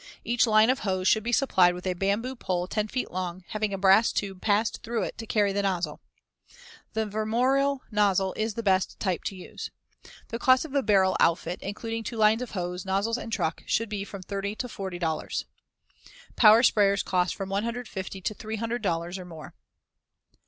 Each line of hose should be supplied with a bamboo pole 10 feet long, having a brass tube passed through it to carry the nozzle. The Vermorel nozzle is the best type to use. The cost of a barrel outfit, including two lines of hose, nozzles and truck, should be from $30 to $40. Power sprayers cost from $150 to $300 or more.